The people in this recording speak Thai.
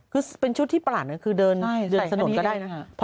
คือเป็นชุดที่ปร่านนะคือเดินเดินสนุนก็ได้นะฮะ